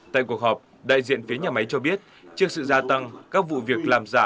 tại cuộc họp đại diện phía nhà máy cho biết trước sự gia tăng các vụ việc làm giả